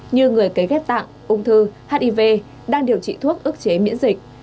như người cấy ghép tạng ung thư hiv đang điều trị thuốc ức chế miễn dịch